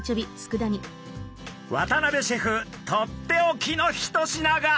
渡邊シェフとっておきの一品が。